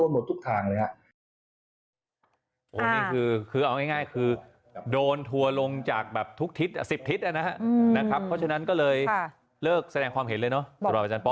เบื่อขึ้นมาแล้วก็แสดงความเห็นเลยเนอะ